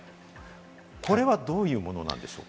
これは、どういうものなんでしょうか？